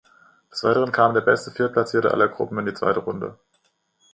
Des Weiteren kam der beste Viertplatzierte aller Gruppen in die zweite Runde.